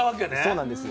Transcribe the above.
そうなんです。